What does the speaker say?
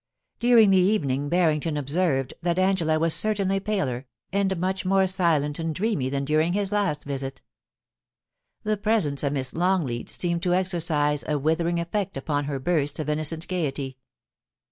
During the evening Barrington observed that Angela was certainly paler, and much more silent and dreamy than during his last visit. The presence of Miss Longleat seemed to exercise a withering effect upon her bursts of innocent gaiety.